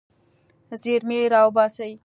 زیرمې راوباسئ.